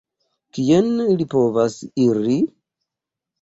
Kien ili povos iri?